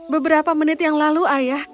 beberapa menit yang lalu ayah